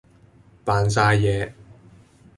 扮曬嘢